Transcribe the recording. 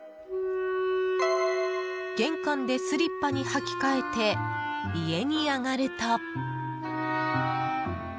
玄関でスリッパに履き替えて家に上がると。